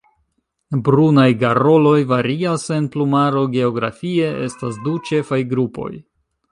Brunaj garoloj varias en plumaro geografie: estas du ĉefaj grupoj.